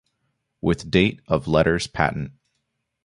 With date of Letters Patent.